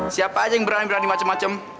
siapa aja yang berani berani macem macem